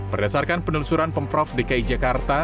berdasarkan penelusuran pemprov dki jakarta